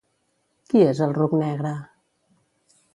Qui és el ruc negre?